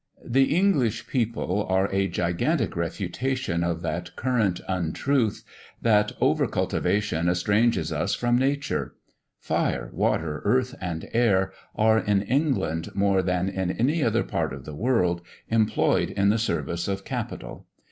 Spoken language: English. The English people are a gigantic refutation of that current untruth, that over cultivation estranges us from nature. Fire, water, earth, and air, are in England more than in any other part of the world, employed in the service of capital.